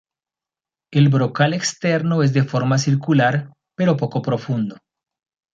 El brocal externo es de forma circular, pero poco profundo.